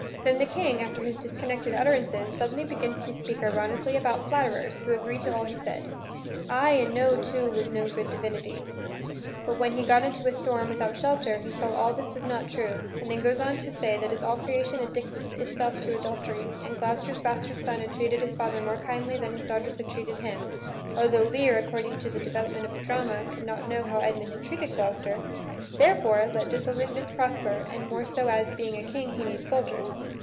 Then the King, after his disconnected utterances, suddenly begins to speak ironically about flatterers, who agreed to all he said, "Ay, and no, too, was no good divinity," but, when he got into a storm without shelter, he saw all this was not true; and then goes on to say that as all creation addicts itself to adultery, and Gloucester's bastard son had treated his father more kindly than his daughters had treated him (altho Lear, according to the development of the drama, could not know how Edmund had treated Gloucester), therefore, let dissoluteness prosper, the more so as, being a King, he needs soldiers.